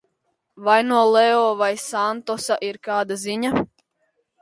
Vai no Leo vai Santosa ir kāda ziņa?